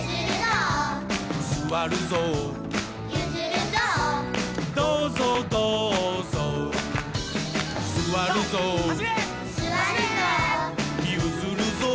「すわるぞう」「どうぞうどうぞう」「すわるぞう」「ゆずるぞう」